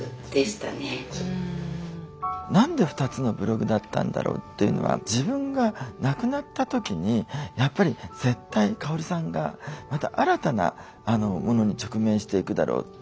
何で２つのブログだったんだろうっていうのは自分が亡くなった時にやっぱり絶対香さんがまた新たなものに直面していくだろうって。